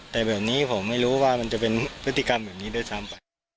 แต่แบบนี้ผมไม่รู้ว่ามันจะเป็นพฤติกรรมแบบนี้ด้วยซ้ำไป